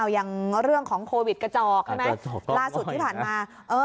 อย่างเรื่องของโควิดกระจอกใช่ไหมล่าสุดที่ผ่านมา